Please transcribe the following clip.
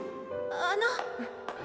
あの。